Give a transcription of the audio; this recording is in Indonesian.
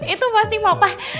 itu pasti papa